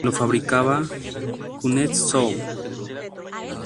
Lo fabricaba Kuznetsov.